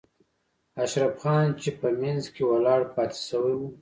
اشرف خان چې په منځ کې ولاړ پاتې شوی و.